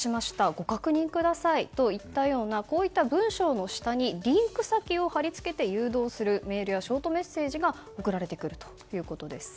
ご確認くださいといったような文章の下にリンク先を張り付けて誘導するメールやショートメッセージが送られてくるということです。